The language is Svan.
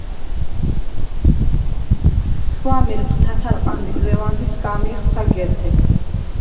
ჩუ ამირმხ თათარყანდ ი ლეუ̂ანდ, სგა̄მჲეხ ცაგერთე.